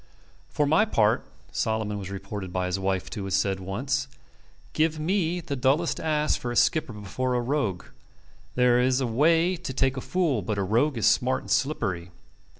"For my part," Solomon was reported by his wife to have said once, "give me the dullest ass for a skipper before a rogue. There is a way to take a fool; but a rogue is smart and slippery."